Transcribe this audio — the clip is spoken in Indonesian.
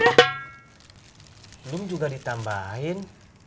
belum juga ditambahin